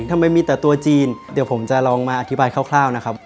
ทำไมมีแต่ตัวจีนเดี๋ยวผมจะลองมาอธิบายคร่าวนะครับ